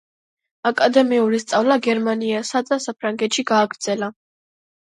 აკადემიური სწავლა გერმანიასა და საფრანგეთში გააგრძელა.